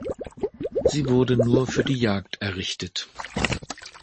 Sie wurde nur für die Jagd errichtet.